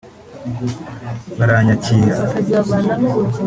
baranyakira